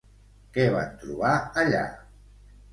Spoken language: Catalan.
Què van trobar allà?